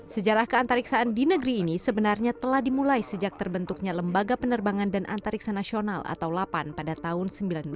sejarah keantariksaan di negeri ini sebenarnya telah dimulai sejak terbentuknya lembaga penerbangan dan antariksa nasional atau lapan pada tahun seribu sembilan ratus sembilan puluh